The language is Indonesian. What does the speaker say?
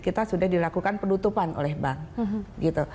kita sudah dilakukan penutupan oleh bank gitu